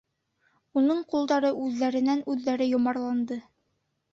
Уның ҡулдары үҙҙәренән-үҙҙәре йомарланды.